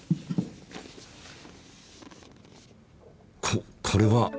ここれは！